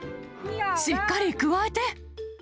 しっかりくわえて！